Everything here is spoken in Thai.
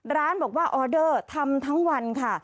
ร้านบอกว่าออเดอร์ทำทั้งวันค่ะ